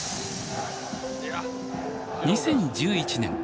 ２０１１年。